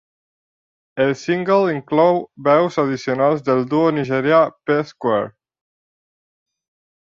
El single inclou veus addicionals del duo nigerià P-Square.